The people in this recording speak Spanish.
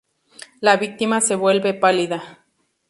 La víctima se vuelve pálida.